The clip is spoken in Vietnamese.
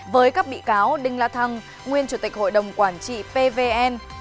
với các bị cáo đinh la thăng nguyên chủ tịch hội đồng quản trị pvn